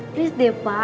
please deh pak